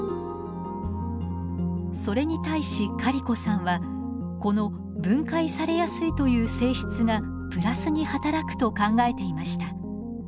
それに対しカリコさんはこの分解されやすいという性質がプラスに働くと考えていました。